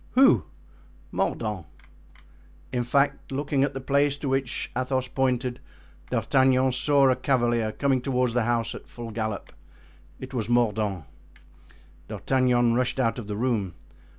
"Who?" "Mordaunt." In fact, looking at the place to which Athos pointed, D'Artagnan saw a cavalier coming toward the house at full gallop. It was Mordaunt. D'Artagnan rushed out of the room.